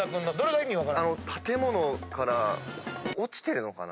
建物から落ちてるのかな？